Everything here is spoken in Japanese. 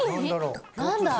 何だ？